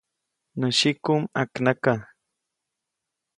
Nä syiku ʼmaknaka.